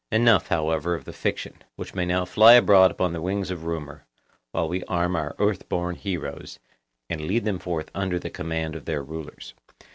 Enough, however, of the fiction, which may now fly abroad upon the wings of rumour, while we arm our earth born heroes, and lead them forth under the command of their rulers.